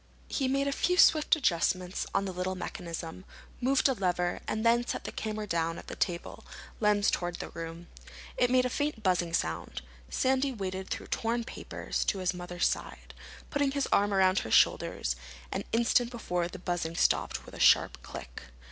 He made a few swift adjustments on the little mechanism, moved a lever, and then set the camera down on the table, lens toward the room. It made a faint buzzing sound. Sandy waded through torn papers to his mother's side, putting his arm around her shoulders an instant before the buzzing stopped with a sharp click.